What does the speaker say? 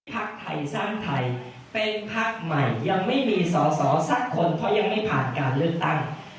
พักไทยสร้างไทยเป็นภาคใหม่ยังไม่มีสอสอสักคนเพราะยังไม่ผ่านการเลือกตั้ง